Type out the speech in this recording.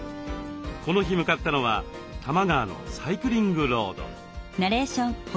この日向かったのは多摩川のサイクリングロード。